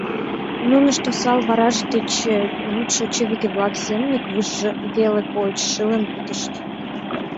Нунышт осал вараш деч лӱдшӧ чывиге-влак семынак, выж-ж веле койыч — шылын пытышт.